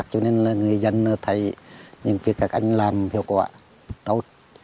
cho nên là người dân thấy những việc các anh làm hiệu quả tốt